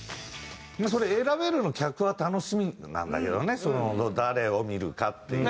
それ選べるの客は楽しみなんだけどね誰を見るかっていう。